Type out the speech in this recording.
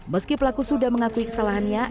meski pelaku sudah mengakui kesalahannya